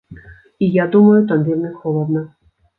І я думаю, там вельмі холадна.